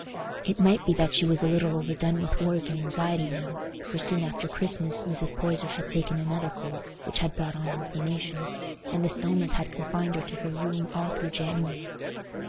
It might be that she was a little overdone with work and anxiety now, for soon after Christmas Mrs. Poyser had taken another cold, which had brought on inflammation, and this illness had confined her to her room all through January.